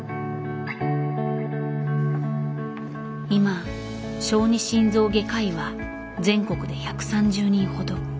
今小児心臓外科医は全国で１３０人ほど。